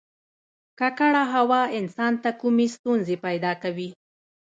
ککړه هوا انسان ته کومې ستونزې پیدا کوي